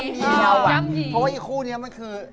เพราะว่าอีกคู่นี้มันคือ